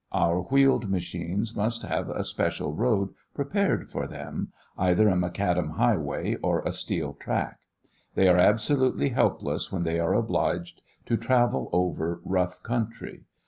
Our wheeled machines must have a special road prepared for them, either a macadam highway or a steel track. They are absolutely helpless when they are obliged to travel over rough country.